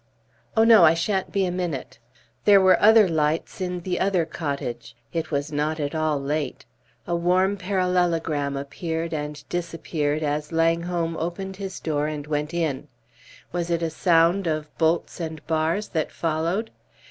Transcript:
"Oh, no, I shan't be a minute." There were other lights in the other cottage. It was not at all late. A warm parallelogram appeared and disappeared as Langholm opened his door and went in. Was it a sound of bolts and bars that followed?